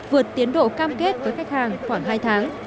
vượt tiến độ cam kết với khách hàng khoảng hai tháng